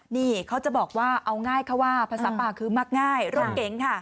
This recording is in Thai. นี่เขาจะบอกว่าเอาง่ายค่ะว่าภาษาป่าคือมักง่ายร่มเก๋งค่ะ